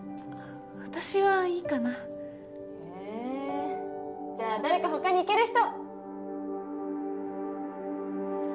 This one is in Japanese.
私はいいかなえぇじゃあ誰かほかに行ける人！